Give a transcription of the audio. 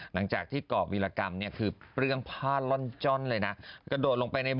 หลังจากที่ก่อวิรกรรมนี่คือเปรื่องผ้าล่อนจ้อนเลยนะ